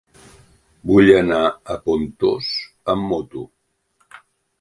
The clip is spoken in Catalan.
Vull anar a Pontós amb moto.